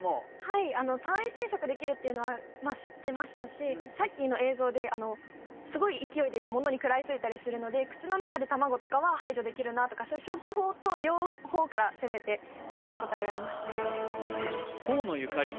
はい単為生殖できるっていうのは知ってましたしさっきの映像ですごい勢いでものに食らいついたりするので口の中で卵とかは排除できるなとか消去法と両方から攻めて答えられました河野ゆかり